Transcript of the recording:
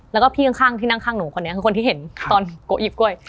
แล้วก็พี่ข้างที่นั่งข้างหนูคนนี้คือคนที่เห็นตอนโกะหยิบกล้วย